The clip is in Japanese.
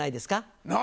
何？